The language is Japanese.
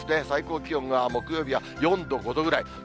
最高気温が木曜日は４度、５度ぐらい。